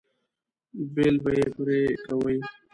بیل به یې پرې کوئ.